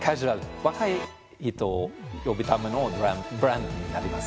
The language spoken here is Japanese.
若い人を呼ぶためのブランドになります。